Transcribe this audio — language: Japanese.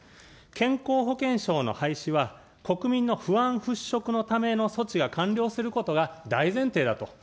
健康保険証の廃止は、国民の不安払拭のための措置が完了することが大前提だと。